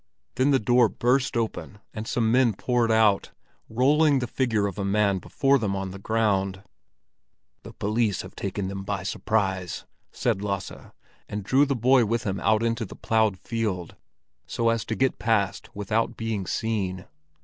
Then the door burst open, and some men poured out, rolling the figure of a man before them on the ground. "The police have taken them by surprise!" said Lasse, and drew the boy with him out into the ploughed field, so as to get past without being seen.